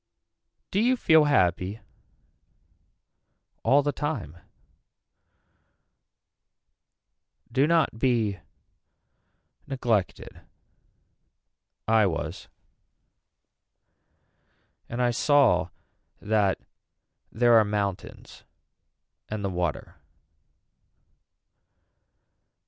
Do you feel happy. All the time. Do not be Neglected. I was. And I saw That There are mountains. And the water.